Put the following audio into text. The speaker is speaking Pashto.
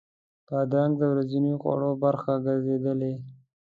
بادرنګ د ورځني خوړو برخه ګرځېدلې.